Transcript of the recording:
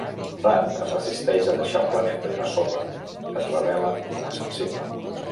Rand es resisteix a deixar el planeta i la sorra es revela com a sensible.